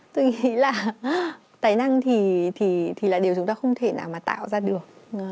tôi nghĩ là tài năng thì là điều chúng ta không thể nào mà tạo ra được